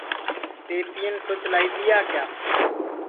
پئپین سُچ لائی دؔیا کیا